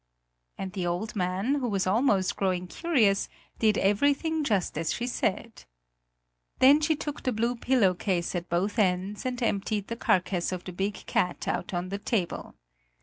And the old man, who was almost growing curious, did everything just as she said. Then she took the blue pillowcase at both ends and emptied the carcass of the big cat out on the table.